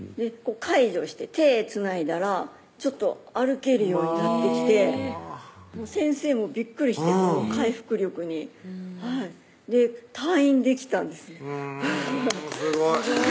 介助して手つないだらちょっと歩けるようになってきて先生もびっくりして回復力にで退院できたんですうん